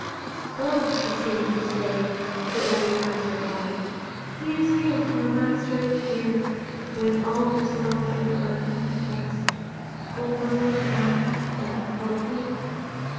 "Oh!" she seemed to say to every passerby, "he is here my master is here with all this load of earth on his breast. Will no one come and help me?"